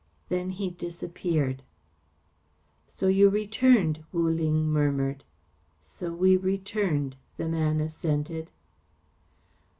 Then he disappeared." "So you returned," Wu Ling murmured. "So we returned," the man assented.